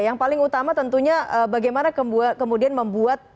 yang paling utama tentunya bagaimana kemudian membuat